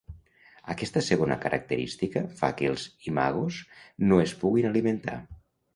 Aquesta segona característica fa que els imagos no es puguin alimentar.